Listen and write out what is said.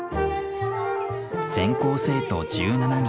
全校生徒１７人。